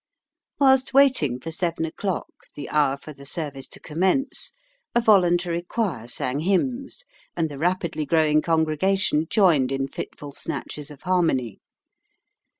Whilst waiting for seven o'clock, the hour for the service to commence, a voluntary choir sang hymns, and the rapidly growing congregation joined in fitful snatches of harmony.